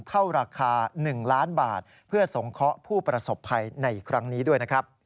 เท่าราคา๑ล้านบาทเพื่อสงเคราะห์ผู้ประสบภัยในครั้งนี้ด้วยนะครับ